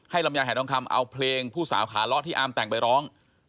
ลำไยหายทองคำเอาเพลงผู้สาวขาเลาะที่อาร์มแต่งไปร้อง